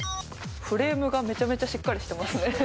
フレームがめちゃめちゃしっかりしてますね。